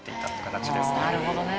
なるほどね。